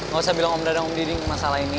gak usah bilang om dada om diding masalah ini